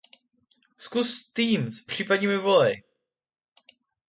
Zkus teams, případně mi volej.